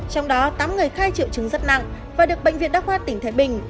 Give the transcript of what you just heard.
trong đó tám người khai triệu chứng rất nặng và được bệnh viện đa khoa tỉnh thái bình